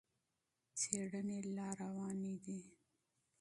څېړنې لا روانې دي.